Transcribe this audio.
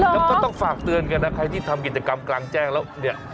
แล้วก็ต้องฝากเตือนกันนะใครที่ทำกิจกรรมกลางแจ้งแล้วเนี่ย